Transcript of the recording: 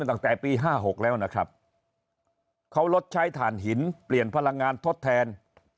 ตั้งแต่ปี๕๖แล้วนะครับเขาลดใช้ฐานหินเปลี่ยนพลังงานทดแทน